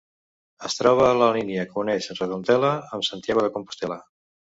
Es troba a la línia que uneix Redondela amb Santiago de Compostel·la.